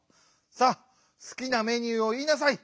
さあすきなメニューをいいなさい！